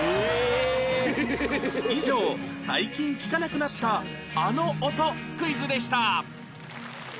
以上最近聞かなくなったあの音クイズでした